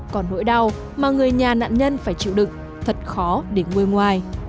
còn nỗi đau mà người nhà nạn nhân phải chịu đựng thật khó để ngôi ngoài